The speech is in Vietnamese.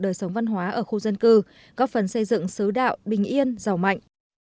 đời sống văn hóa ở khu dân cư góp phần xây dựng xứ đạo bình yên giàu mạnh